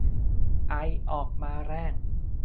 ไอออกมาแรง